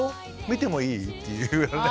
見てもいい？」っていうね。